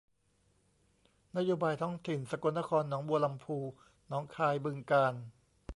นโยบายท้องถิ่น สกลนครหนองบัวลำภูหนองคายบึงกาฬ